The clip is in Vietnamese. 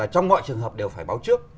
nhưng mọi trường hợp đều phải báo trước